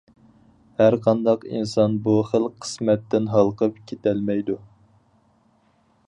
ھەرقانداق ئىنسان بۇ خىل قىسمەتتىن ھالقىپ كېتەلمەيدۇ!